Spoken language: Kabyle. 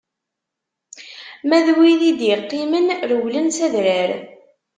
Ma d wid i d-iqqimen rewlen s adrar.